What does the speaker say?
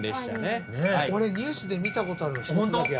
俺ニュースで見たことあるの１つだけある。